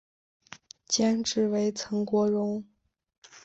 监制为岑国荣。